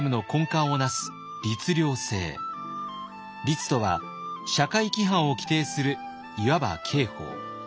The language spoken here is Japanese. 「律」とは社会規範を規定するいわば刑法。